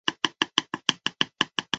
现任中共保定市委书记。